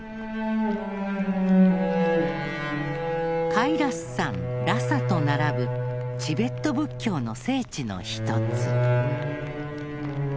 カイラス山ラサと並ぶチベット仏教の聖地の一つ。